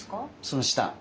その下。